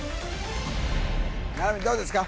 七海どうですか？